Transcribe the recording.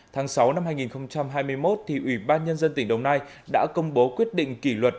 tháng sáu năm hai nghìn hai mươi một ủy ban nhân dân tỉnh đồng nai đã công bố quyết định kỷ luật